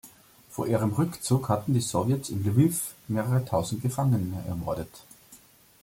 Vor ihrem Rückzug hatten die Sowjets in Lwiw mehrere tausend Gefangene ermordet.